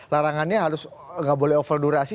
larangannya tidak boleh over durasi